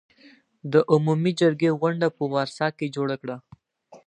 د عمومي جرګې غونډه په ورسا کې جوړه کړه.